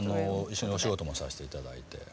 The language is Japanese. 一緒にお仕事もさせて頂いて。